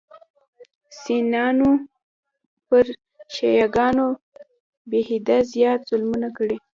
سنیانو پر شیعه ګانو بېحده زیات ظلمونه کړي.